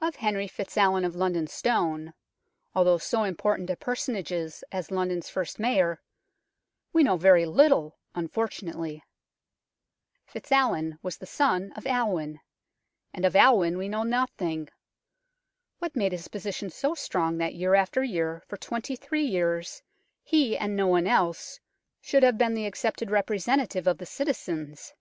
Of Henry FitzAlwin of London Stone, although so important a personage as London's first Mayor, we know very little, unfortunately. FitzAlwin was the son of Alwin, and of Alwin we know nothing. What made his position so strong that year after year for twenty three years he, and no one else, should have been the accepted representative of the citizens